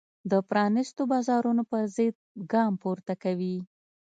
د پرانیستو بازارونو پرضد ګام پورته کوي.